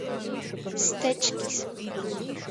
Stečkys.